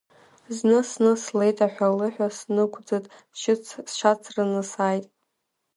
Зны сны слеит аҳәалыҳәа, санықәӡыҭ, сшьацраны сааит.